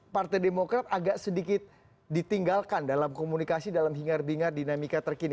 partai demokrat agak sedikit ditinggalkan dalam komunikasi dalam hingar bingar dinamika terkini